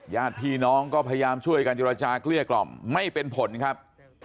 ญาติพี่น้องก็พยายามช่วยกันเจรจาเกลี้ยกล่อมไม่เป็นผลครับ